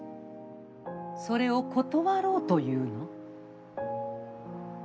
それを断ろうというの？